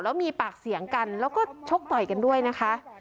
แล้วมีปากเสียงกันแล้วก็ชกต่อยกันด้วยนะคะ